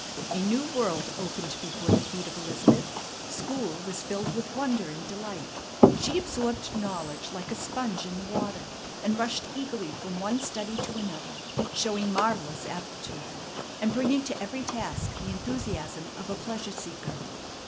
A new world opened before the feet of Elizabeth. School was filled with wonder and delight. She absorbed knowledge like a sponge in the water, and rushed eagerly from one study to another, showing marvellous aptitude, and bringing to every task the enthusiasm of a pleasure seeker.